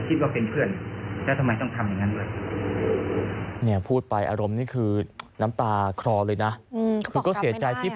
คือบ้านพ่อก็เสียหายแงและพ่อก็ไม่รู้เรื่องโดนจับ